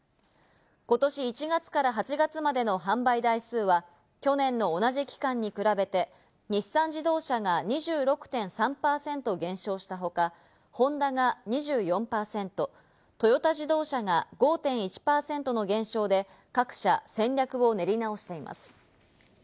ことし１月から８月までの販売台数は、去年の同じ期間に比べて日産自動車が２６．３％減少した他、ホンダが２４％、トヨタ自動車が５．１％の減少で各社戦略を練り直しています。